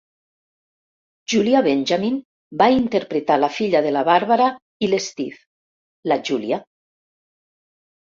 Julia Benjamin va interpretar la filla de la Barbara i l'Steve, la Julia.